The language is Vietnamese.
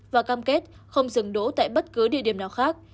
và cam kết không dừng đỗ tại bất cứ địa điểm nào khác